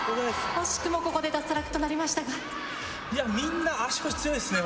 惜しくもここで脱落となりましたがいやみんな足腰強いですね